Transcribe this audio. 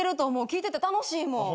聞いてて楽しいもん。